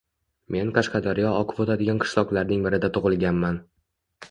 Men Qashqadaryo oqib o’tadigan qishloqlarning birida tug’ilganman.